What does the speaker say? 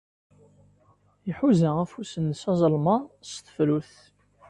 Iḥuza afus-nnes azelmaḍ s tefrut.